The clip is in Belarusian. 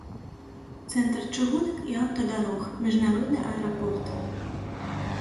Цэнтр чыгунак і аўтадарог, міжнародны аэрапорт.